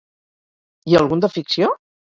I algun de ficció?